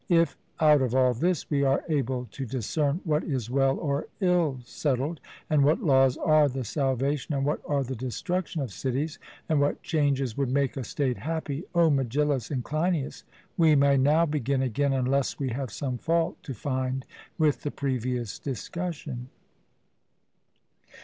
If, out of all this, we are able to discern what is well or ill settled, and what laws are the salvation and what are the destruction of cities, and what changes would make a state happy, O Megillus and Cleinias, we may now begin again, unless we have some fault to find with the previous discussion.